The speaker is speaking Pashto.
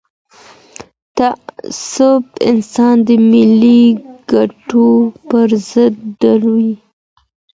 تعصب انسان د ملي ګټو پر ضد دروي.